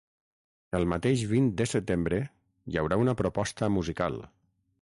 El mateix vint de setembre, hi haurà una proposta musical.